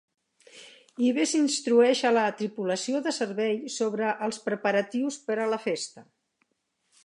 Hives instrueix a la tripulació de servei sobre els preparatius per a la festa.